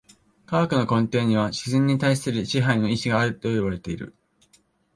科学の根底には自然に対する支配の意志があるといわれている。